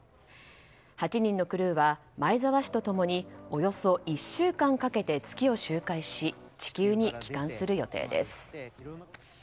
８人のクルーは前澤氏と共におよそ１週間かけて月を周回し地球に帰還する予定です。